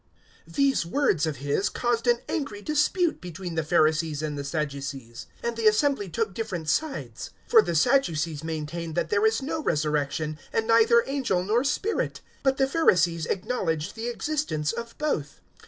023:007 These words of his caused an angry dispute between the Pharisees and the Sadducees, and the assembly took different sides. 023:008 For the Sadducees maintain that there is no resurrection, and neither angel nor spirit; but the Pharisees acknowledge the existence of both.